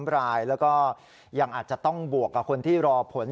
๓รายแล้วก็ยังอาจจะต้องบวกกับคนที่รอผล